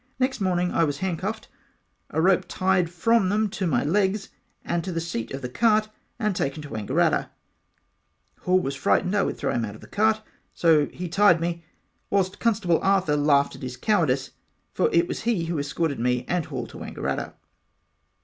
Next morning I was handcuffed a rope tied from them to my legs and to the seat of the cart and taken to Wangaratta Hall was frightened I would throw him out of the cart so he tied me whilst Constable Arthur laughed at his cowardice for it was he who escorted me and Hall to Wangaratta.